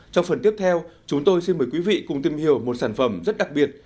trong phần tiếp theo chúng tôi xin mời quý vị cùng tìm hiểu một sản phẩm rất đặc biệt